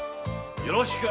よろしく。